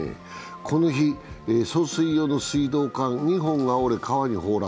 この日、送水用の水道管２本が折れ川に崩落。